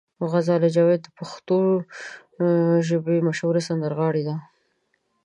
غزاله جاوید د پښتو ژبې مشهوره سندرغاړې ده.